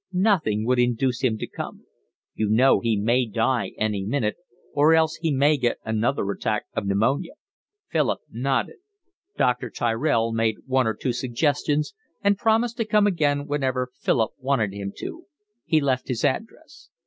"Nothing would induce him to come." "You know, he may die any minute, or else he may get another attack of pneumonia." Philip nodded. Dr. Tyrell made one or two suggestions, and promised to come again whenever Philip wanted him to. He left his address.